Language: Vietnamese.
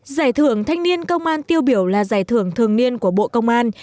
giải thưởng thanh niên công an tiêu biểu là giải thưởng thường niên của bộ công an